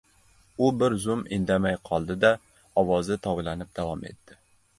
— U bir zum indamay qoldi-da, ovozi tovlanib davom etdi: